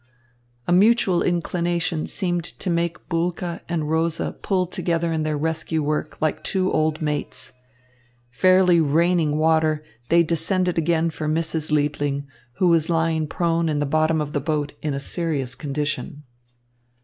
A mutual inclination seemed to make Bulke and Rosa pull together in their rescue work like two old mates. Fairly raining water, they descended again for Mrs. Liebling, who was lying prone in the bottom of the boat in a serious condition.